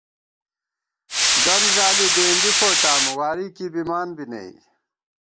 دن ݫالی ڈېنڈی فوٹامہ ، واری کی بِمان بی نئ